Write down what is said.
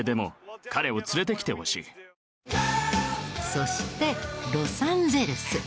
そしてロサンゼルス。